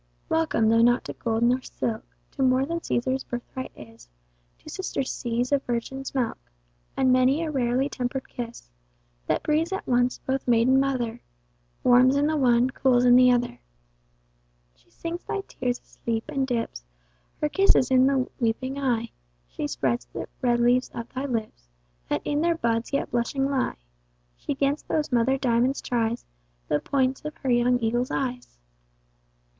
Welcome, though not to gold, nor silk, To more than Cæsar's birthright is, Two sister seas of virgin's milk, WIth many a rarely temper'd kiss, That breathes at once both maid and mother, Warms in the one, cools in the other. She sings thy tears asleep, and dips Her kisses in thy weeping eye, She spreads the red leaves of thy lips, That in their buds yet blushing lie. She 'gainst those mother diamonds tries The points of her young eagle's eyes.